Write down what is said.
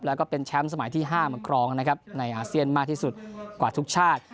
แล้วก็เป็นแชมป์สมัยที่๕มาครองนะครับในอาเซียนมากที่สุดกว่าทุกชาติ